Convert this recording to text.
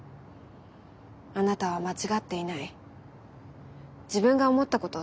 あなたは間違っていない自分が思ったことを貫きなさい。